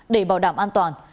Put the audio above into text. để bảo đảm an toàn